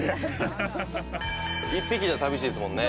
「１匹じゃ寂しいですもんね」